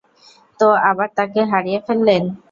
তো আবার তাকে হারিয়ে ফেললেন?